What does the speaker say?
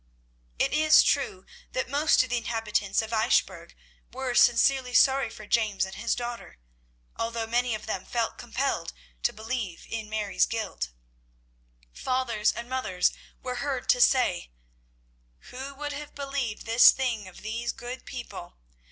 It is true that most of the inhabitants of Eichbourg were sincerely sorry for James and his daughter, although many of them felt compelled to believe in Mary's guilt. Fathers and mothers were heard to say, "Who would have believed this thing of these good people?